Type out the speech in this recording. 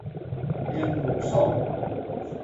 刑務所